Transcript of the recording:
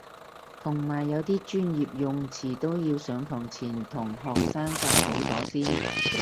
同埋有啲專業用詞都要上堂前同學生夾好咗先